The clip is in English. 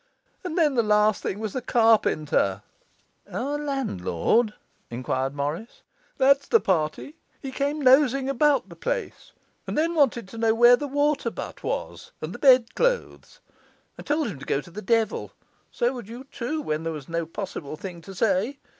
'And then the last thing was the carpenter ' 'Our landlord?' enquired Morris. 'That's the party,' said John. 'He came nosing about the place, and then wanted to know where the water butt was, and the bedclothes. I told him to go to the devil; so would you too, when there was no possible thing to say!